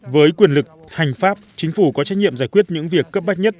với quyền lực hành pháp chính phủ có trách nhiệm giải quyết những việc cấp bách nhất